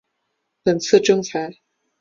本次征才